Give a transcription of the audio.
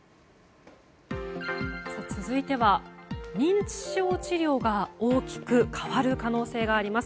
続いては、認知症治療が大きく変わる可能性があります。